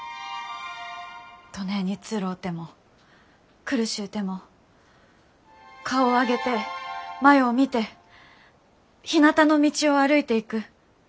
どねえにつろうても苦しゅうても顔を上げて前う見てひなたの道を歩いていく。